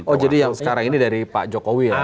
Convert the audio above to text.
oh jadi yang sekarang ini dari pak jokowi ya